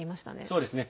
そうですね。